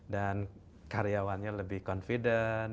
dan karyawannya lebih confident